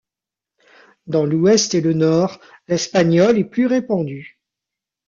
Dans l'Ouest et le Nord, l'espagnol est plus répandu.